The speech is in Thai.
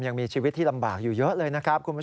ยังมีชีวิตที่ลำบากอยู่เยอะเลยครับ